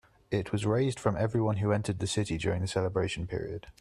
It was raised from everyone who entered the city during the celebration period.